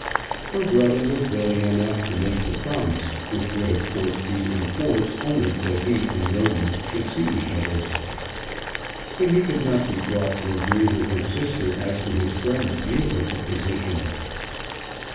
Her brother was willing enough to make the promise, which would of course be in force only till he and Roden should see each other; but he could not be brought to agree with his sister as to his friend's view of the position.